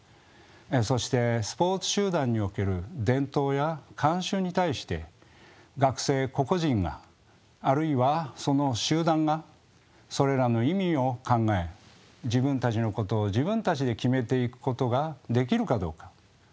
そしてスポーツ集団における伝統や慣習に対して学生個々人があるいはその集団がそれらの意味を考え自分たちのことを自分たちで決めていくことができるかどうか。